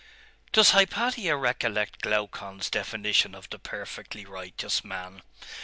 'Does Hypatia recollect Glaucon's definition of the perfectly righteous man?....